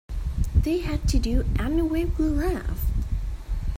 They had to do anyway when we left.